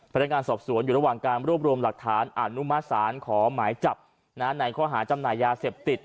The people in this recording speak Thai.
พนักงานสอบสวนอยู่ระหว่างการรวบรวมหลักฐานอนุมัติศาลขอหมายจับในข้อหาจำหน่ายยาเสพติด